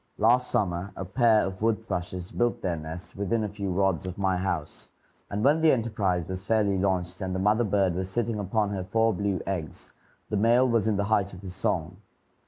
Last summer a pair of wood thrushes built their nest within a few rods of my house, and when the enterprise was fairly launched and the mother bird was sitting upon her four blue eggs, the male was in the height of his song.